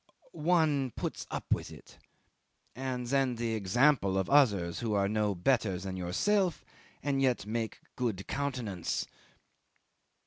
One puts up with it. And then the example of others who are no better than yourself, and yet make good countenance.